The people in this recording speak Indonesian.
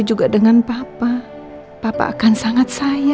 jangan sedih sedih ya